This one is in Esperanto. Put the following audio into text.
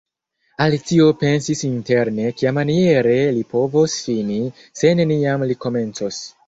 Alicio pensis interne, "Kiamaniere li povos fini, se neniam li komencos. »